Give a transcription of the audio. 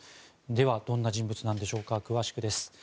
では、どんな人物なんでしょうか詳しくです。